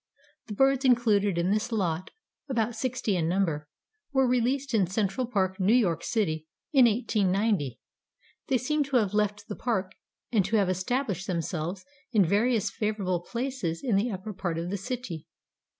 "The birds included in this lot, about sixty in number, were released in Central Park, New York city, in 1890. They seem to have left the park and to have established themselves in various favorable places in the upper part of the city.